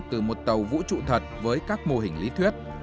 từ một tàu vũ trụ thật với các mô hình lý thuyết